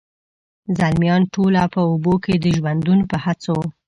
زلمیان ټوله په اوبو کي د ژوندون په هڅو،